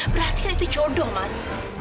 berarti kan itu jodoh mas